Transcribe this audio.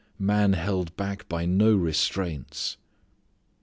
Man held back by no restraints!